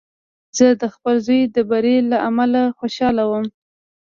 زه د خپل زوی د بري له امله خوشحاله وم.